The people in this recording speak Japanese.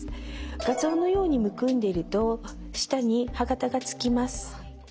画像のようにむくんでいると舌に歯形がつきます。